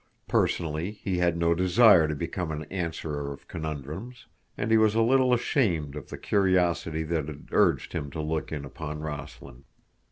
Personally he had no desire to become an answerer of conundrums, and he was a little ashamed of the curiosity that had urged him to look in upon Rossland.